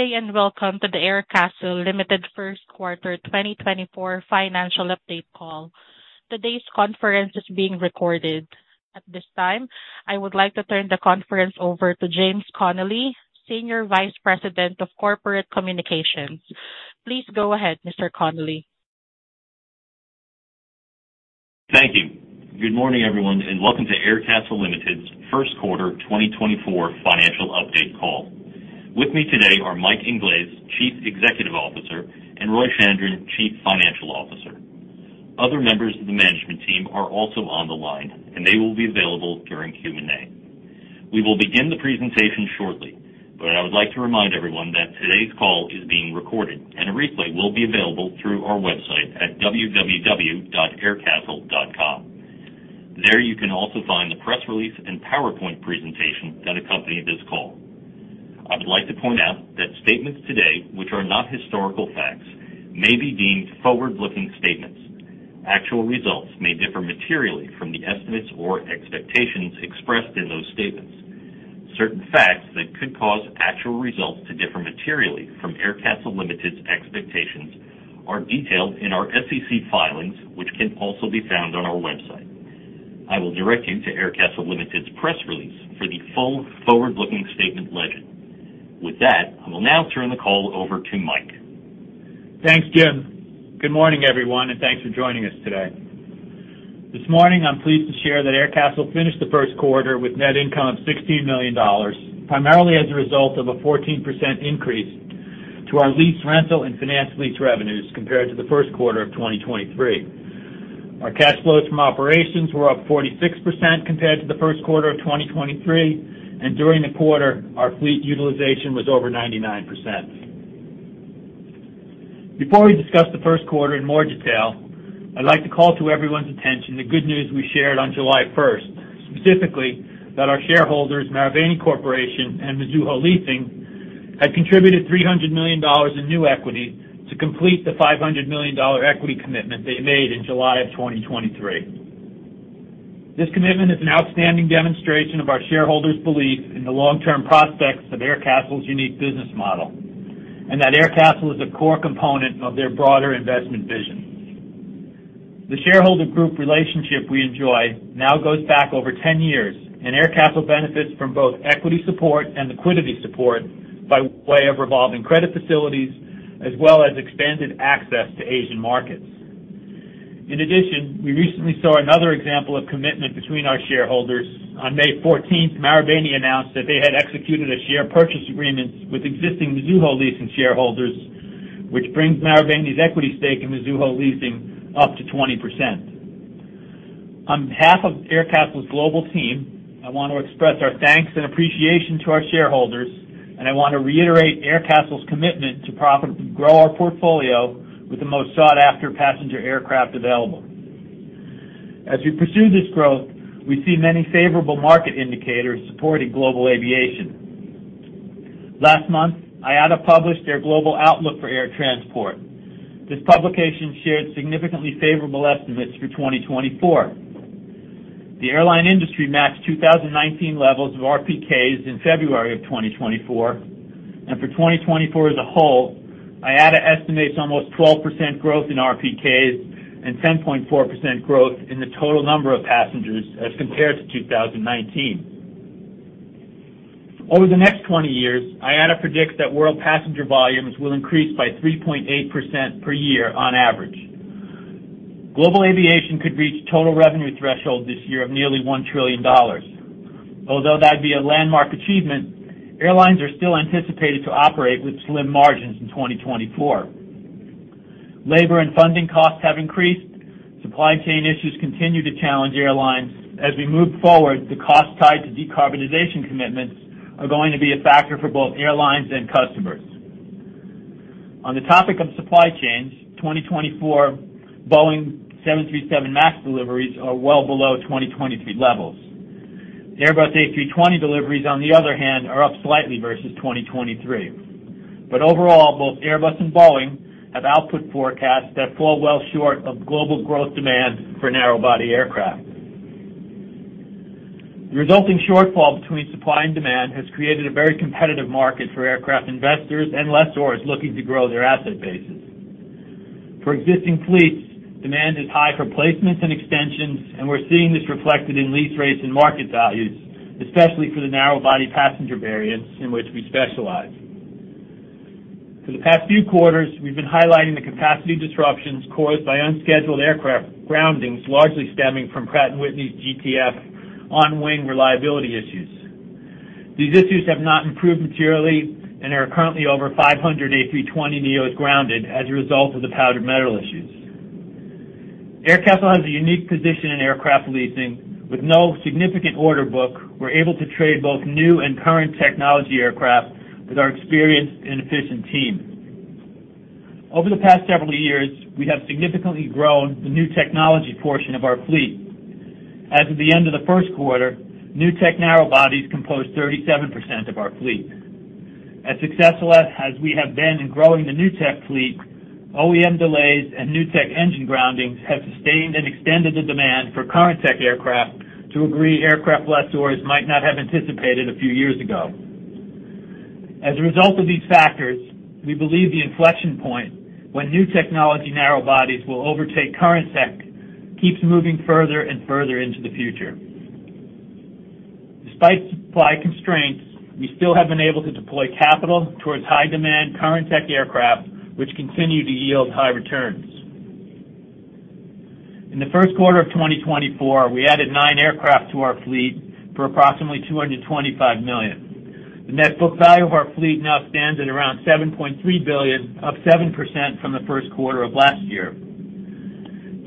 Good day, and welcome to the Aircastle Limited First Quarter 2024 Financial Update Call. Today's conference is being recorded. At this time, I would like to turn the conference over to James Connelly, Senior Vice President of Corporate Communications. Please go ahead, Mr. Connelly. Thank you. Good morning, everyone, and welcome to Aircastle Limited's First Quarter 2024 Financial Update Call. With me today are Mike Inglese, Chief Executive Officer, and Roy Chandran, Chief Financial Officer. Other members of the management team are also on the line, and they will be available during Q&A. We will begin the presentation shortly, but I would like to remind everyone that today's call is being recorded, and a replay will be available through our website at www.aircastle.com. There you can also find the press release and PowerPoint presentation that accompany this call. I would like to point out that statements today, which are not historical facts, may be deemed forward-looking statements. Actual results may differ materially from the estimates or expectations expressed in those statements. Certain facts that could cause actual results to differ materially from Aircastle Limited's expectations are detailed in our SEC filings, which can also be found on our website. I will direct you to Aircastle Limited's press release for the full forward-looking statement legend. With that, I will now turn the call over to Mike. Thanks, Jim. Good morning, everyone, and thanks for joining us today. This morning, I'm pleased to share that Aircastle finished the first quarter with net income of $16 million, primarily as a result of a 14% increase to our lease, rental, and finance lease revenues compared to the first quarter of 2023. Our cash flows from operations were up 46% compared to the first quarter of 2023, and during the quarter, our fleet utilization was over 99%. Before we discuss the first quarter in more detail, I'd like to call to everyone's attention the good news we shared on July 1st, specifically, that our shareholders, Marubeni Corporation and Mizuho Leasing, had contributed $300 million in new equity to complete the $500 million equity commitment they made in July of 2023. This commitment is an outstanding demonstration of our shareholders' belief in the long-term prospects of Aircastle's unique business model, and that Aircastle is a core component of their broader investment vision. The shareholder group relationship we enjoy now goes back over 10 years, and Aircastle benefits from both equity support and liquidity support by way of revolving credit facilities, as well as expanded access to Asian markets. In addition, we recently saw another example of commitment between our shareholders. On May 14th, Marubeni announced that they had executed a share purchase agreement with existing Mizuho Leasing shareholders, which brings Marubeni's equity stake in Mizuho Leasing up to 20%. On behalf of Aircastle's global team, I want to express our thanks and appreciation to our shareholders, and I want to reiterate Aircastle's commitment to profitably grow our portfolio with the most sought-after passenger aircraft available. As we pursue this growth, we see many favorable market indicators supporting global aviation. Last month, IATA published their Global Outlook for Air Transport. This publication shared significantly favorable estimates for 2024. The airline industry matched 2019 levels of RPKs in February of 2024, and for 2024 as a whole, IATA estimates almost 12% growth in RPKs and 10.4% growth in the total number of passengers as compared to 2019. Over the next 20 years, IATA predicts that world passenger volumes will increase by 3.8% per year on average. Global aviation could reach total revenue threshold this year of nearly $1 trillion. Although that'd be a landmark achievement, airlines are still anticipated to operate with slim margins in 2024. Labor and funding costs have increased. Supply chain issues continue to challenge airlines. As we move forward, the cost tied to decarbonization commitments are going to be a factor for both airlines and customers. On the topic of supply chains, 2024, Boeing 737 MAX deliveries are well below 2023 levels. The Airbus A320 deliveries, on the other hand, are up slightly versus 2023. But overall, both Airbus and Boeing have output forecasts that fall well short of global growth demand for narrow-body aircraft. The resulting shortfall between supply and demand has created a very competitive market for aircraft investors and lessors looking to grow their asset bases. For existing fleets, demand is high for placements and extensions, and we're seeing this reflected in lease rates and market values, especially for the narrow-body passenger variants in which we specialize. For the past few quarters, we've been highlighting the capacity disruptions caused by unscheduled aircraft groundings, largely stemming from Pratt & Whitney's GTF on-wing reliability issues. These issues have not improved materially and are currently over 500 A320neos grounded as a result of the powdered metal issues. Aircastle has a unique position in aircraft leasing. With no significant order book, we're able to trade both new and current technology aircraft with our experienced and efficient team. Over the past several years, we have significantly grown the new technology portion of our fleet. As of the end of the first quarter, new tech narrow-bodies composed 37% of our fleet. As successful as we have been in growing the new tech fleet... OEM delays and new tech engine groundings have sustained and extended the demand for current tech aircraft that even aircraft lessors might not have anticipated a few years ago. As a result of these factors, we believe the inflection point, when new technology narrow-bodies will overtake current tech, keeps moving further and further into the future. Despite supply constraints, we still have been able to deploy capital towards high demand current tech aircraft, which continue to yield high returns. In the first quarter of 2024, we added 9 aircraft to our fleet for approximately $225 million. The net book value of our fleet now stands at around $7.3 billion, up 7% from the first quarter of last year.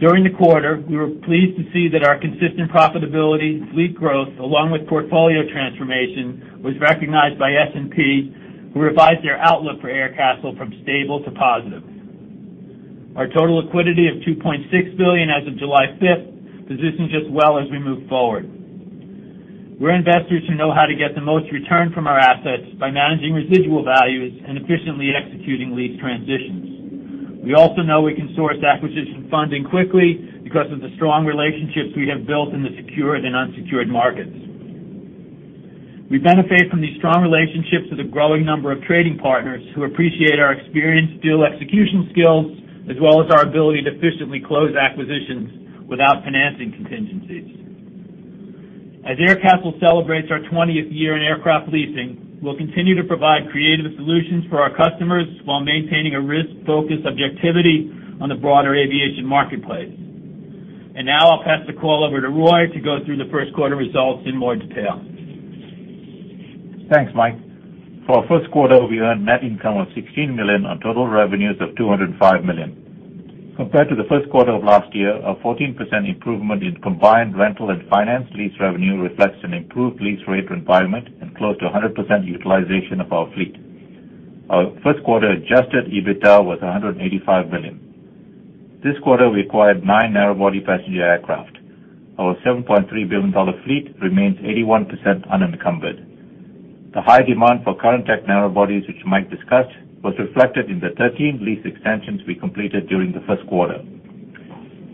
During the quarter, we were pleased to see that our consistent profitability and fleet growth, along with portfolio transformation, was recognized by S&P, who revised their outlook for Aircastle from stable to positive. Our total liquidity of $2.6 billion as of July 5th positions us well as we move forward. We're investors who know how to get the most return from our assets by managing residual values and efficiently executing lease transitions. We also know we can source acquisition funding quickly because of the strong relationships we have built in the secured and unsecured markets. We benefit from these strong relationships with a growing number of trading partners, who appreciate our experience, deal execution skills, as well as our ability to efficiently close acquisitions without financing contingencies. As Aircastle celebrates our twentieth year in aircraft leasing, we'll continue to provide creative solutions for our customers while maintaining a risk-focused objectivity on the broader aviation marketplace. And now I'll pass the call over to Roy to go through the first quarter results in more detail. Thanks, Mike. For our first quarter, we earned net income of $16 million on total revenues of $205 million. Compared to the first quarter of last year, a 14% improvement in combined rental and finance lease revenue reflects an improved lease rate environment and close to 100% utilization of our fleet. Our first quarter Adjusted EBITDA was $185 million. This quarter, we acquired nine narrow-body passenger aircraft. Our $7.3 billion fleet remains 81% unencumbered. The high demand for current tech narrow-body aircraft, which Mike discussed, was reflected in the 13 lease extensions we completed during the first quarter.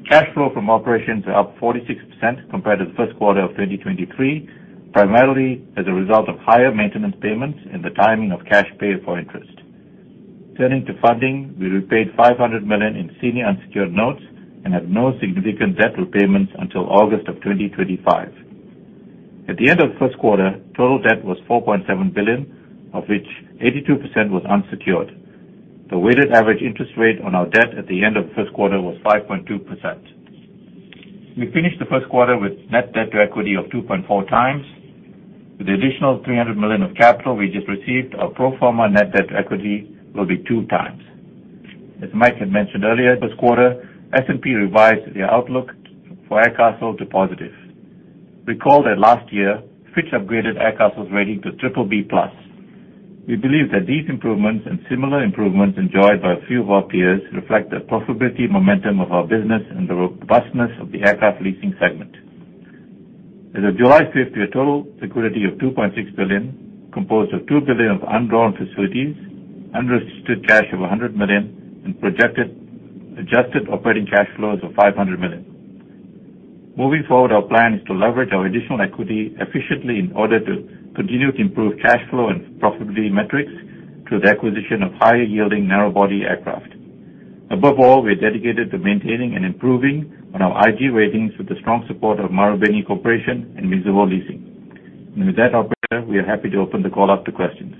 Cash flow from operations is up 46% compared to the first quarter of 2023, primarily as a result of higher maintenance payments and the timing of cash paid for interest. Turning to funding, we repaid $500 million in senior unsecured notes and have no significant debt repayments until August 2025. At the end of the first quarter, total debt was $4.7 billion, of which 82% was unsecured. The weighted average interest rate on our debt at the end of the first quarter was 5.2%. We finished the first quarter with net debt to equity of 2.4x. With the additional $300 million of capital we just received, our pro forma net debt to equity will be 2x. As Mike had mentioned earlier, this quarter, S&P revised their outlook for Aircastle to positive. Recall that last year, Fitch upgraded Aircastle's rating to BBB+. We believe that these improvements and similar improvements enjoyed by a few of our peers, reflect the profitability momentum of our business and the robustness of the aircraft leasing segment. As of July 5th, we have total equity of $2.6 billion, composed of $2 billion of undrawn facilities, unrestricted cash of $100 million, and projected adjusted operating cash flows of $500 million. Moving forward, our plan is to leverage our additional equity efficiently in order to continue to improve cash flow and profitability metrics through the acquisition of higher-yielding narrow body aircraft. Above all, we are dedicated to maintaining and improving on our IG ratings with the strong support of Marubeni Corporation and Mizuho Leasing. With that, operator, we are happy to open the call up to questions.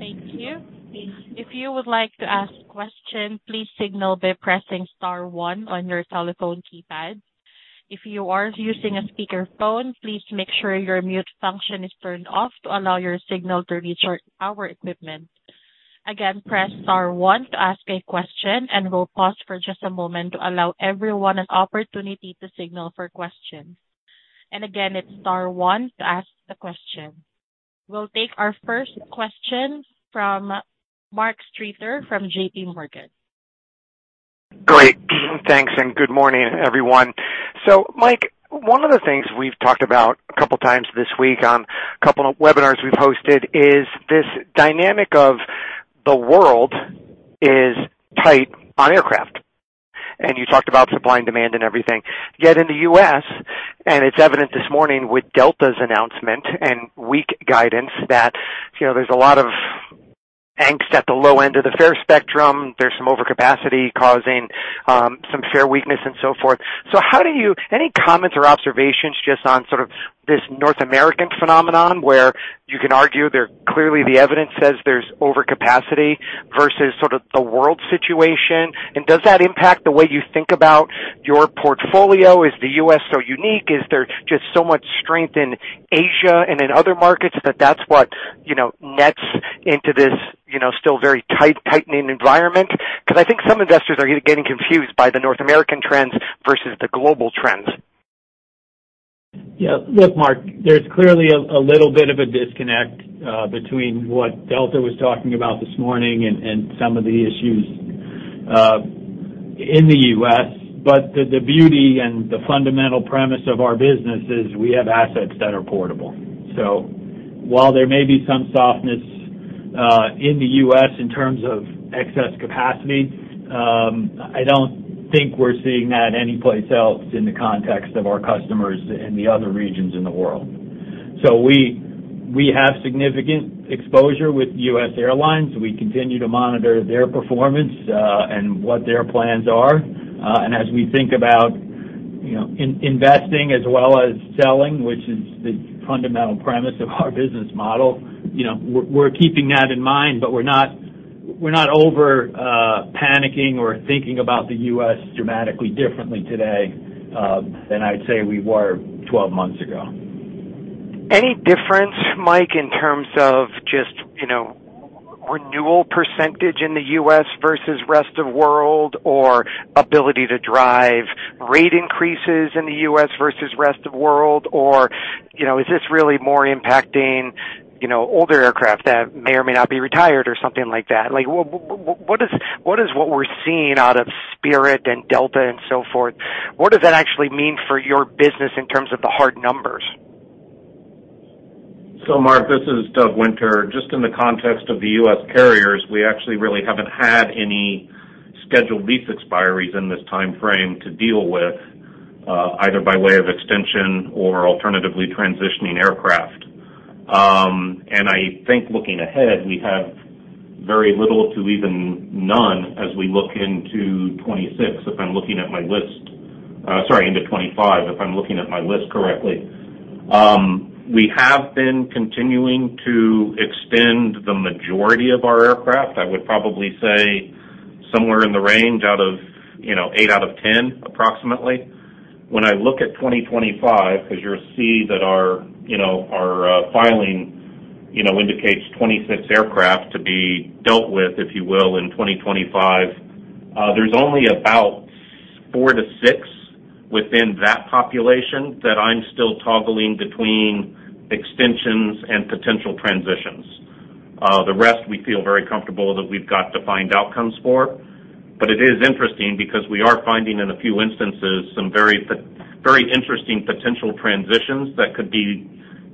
Thank you. If you would like to ask a question, please signal by pressing star one on your telephone keypad. If you are using a speakerphone, please make sure your mute function is turned off to allow your signal to reach our equipment. Again, press star one to ask a question, and we'll pause for just a moment to allow everyone an opportunity to signal for questions. Again, it's star one to ask the question. We'll take our first question from Mark Streeter from JPMorgan. Great, thanks, and good morning, everyone. So Mike, one of the things we've talked about a couple of times this week on a couple of webinars we've hosted, is this dynamic of the world is tight on aircraft, and you talked about supply and demand and everything. Yet in the U.S., and it's evident this morning with Delta's announcement and weak guidance, that, you know, there's a lot of angst at the low end of the fare spectrum. There's some overcapacity causing some fare weakness, and so forth. So how do you any comments or observations just on sort of this North American phenomenon, where you can argue there, clearly, the evidence says there's overcapacity versus sort of the world situation? And does that impact the way you think about your portfolio? Is the U.S. so unique? Is there just so much strength in Asia and in other markets that that's what, you know, nets into this, you know, still very tight, tightening environment? Because I think some investors are getting confused by the North American trends versus the global trends. Yeah. Look, Mark, there's clearly a little bit of a disconnect between what Delta was talking about this morning and some of the issues.... in the U.S., but the beauty and the fundamental premise of our business is we have assets that are portable. So while there may be some softness in the U.S. in terms of excess capacity, I don't think we're seeing that anyplace else in the context of our customers in the other regions in the world. So we have significant exposure with U.S. airlines. We continue to monitor their performance and what their plans are. And as we think about, you know, investing as well as selling, which is the fundamental premise of our business model, you know, we're keeping that in mind, but we're not over panicking or thinking about the U.S. dramatically differently today than I'd say we were 12 months ago. Any difference, Mike, in terms of just, you know, renewal percentage in the U.S. versus rest of world, or ability to drive rate increases in the U.S. versus rest of world? Or, you know, is this really more impacting, you know, older aircraft that may or may not be retired or something like that? Like, what is what we're seeing out of Spirit and Delta and so forth, what does that actually mean for your business in terms of the hard numbers? So, Mark, this is Doug Winter. Just in the context of the US carriers, we actually really haven't had any scheduled lease expiries in this time frame to deal with, either by way of extension or alternatively, transitioning aircraft. And I think looking ahead, we have very little to even none as we look into 2026, if I'm looking at my list. Sorry, into 2025, if I'm looking at my list correctly. We have been continuing to extend the majority of our aircraft. I would probably say somewhere in the range out of, you know, 8 out of 10, approximately. When I look at 2025, because you'll see that our, you know, our filing, you know, indicates 26 aircraft to be dealt with, if you will, in 2025, there's only about 4-6 within that population that I'm still toggling between extensions and potential transitions. The rest, we feel very comfortable that we've got defined outcomes for. But it is interesting because we are finding in a few instances, some very interesting potential transitions that could be,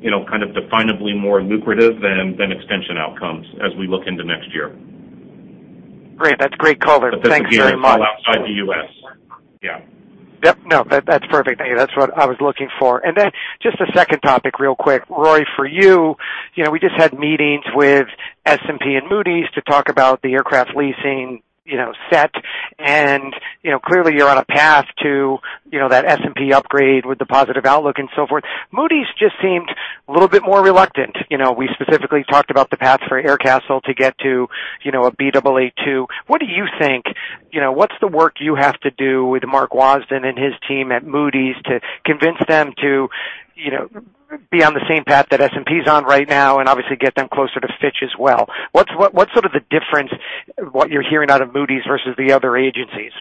you know, kind of definably more lucrative than extension outcomes as we look into next year. Great. That's a great color. Thank you very much. But this is all outside the U.S. Yeah. Yep. No, that, that's perfect. That's what I was looking for. And then just a second topic real quick, Roy, for you. You know, we just had meetings with S&P and Moody's to talk about the aircraft leasing, you know, set. And, you know, clearly you're on a path to, you know, that S&P upgrade with the positive outlook and so forth. Moody's just seemed a little bit more reluctant. You know, we specifically talked about the path for Aircastle to get to, you know, a Baa2. What do you think? You know, what's the work you have to do with Mark Wasden and his team at Moody's to convince them to, you know, be on the same path that S&P is on right now, and obviously get them closer to Fitch as well? What's, what's sort of the difference, what you're hearing out of Moody's versus the other agencies?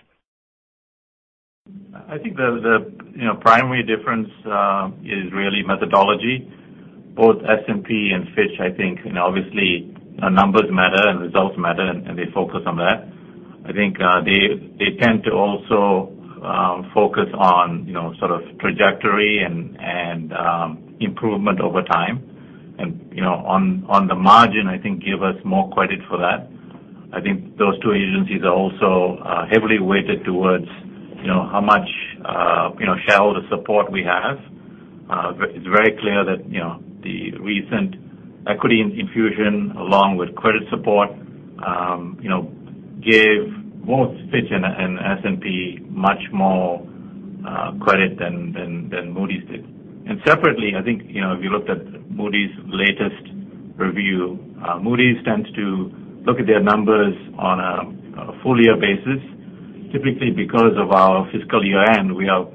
I think the, you know, primary difference is really methodology. Both S&P and Fitch, I think, you know, obviously, numbers matter and results matter, and they focus on that. I think they tend to also focus on, you know, sort of trajectory and improvement over time. You know, on the margin, I think give us more credit for that. I think those two agencies are also heavily weighted towards, you know, how much, you know, shareholder support we have. It's very clear that, you know, the recent equity infusion, along with credit support, you know, gave both Fitch and S&P much more credit than Moody's did. Separately, I think, you know, if you looked at Moody's latest review, Moody's tends to look at their numbers on a full year basis. Typically, because of our fiscal year end, we are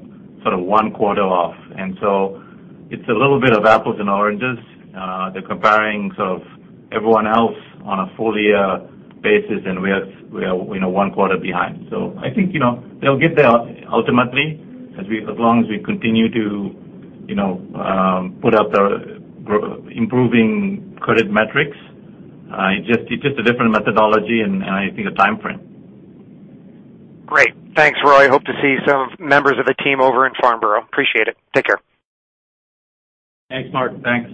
sort of one quarter off, and so it's a little bit of apples and oranges. The comparisons of everyone else on a full year basis, and we are, you know, one quarter behind. So I think, you know, they'll get there ultimately, as we—as long as we continue to, you know, put out the improving credit metrics. It's just a different methodology and I think a time frame. Great. Thanks, Roy. Hope to see some members of the team over in Farnborough. Appreciate it. Take care. Thanks, Mark. Thanks.